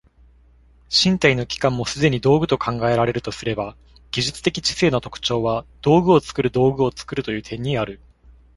身体の器官もすでに道具と考えられるとすれば、技術的知性の特徴は道具を作る道具を作るという点にある。